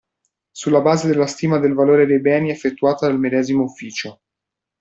Sulla base della stima del valore dei beni effettuata dal medesimo ufficio.